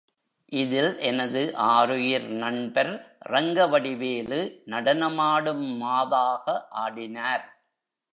இதில் எனது ஆருயிர் நண்பர் ரங்கவடிவேலு நடனமாடும் மாதாக ஆடினார்.